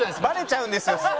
バレちゃうんですよ。